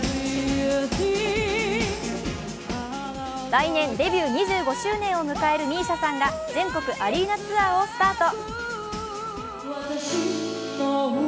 来年デビュー２５周年を迎えるＭＩＳＩＡさんが全国アリーナツアーをスタート。